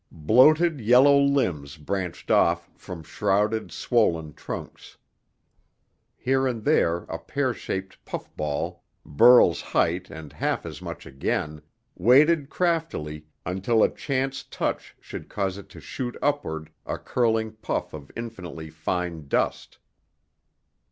Bloated, yellow limbs branched off from rounded, swollen trunks. Here and there a pear shaped puff ball, Burl's height and half as much again, waited craftily until a chance touch should cause it to shoot upward a curling puff of infinitely fine dust.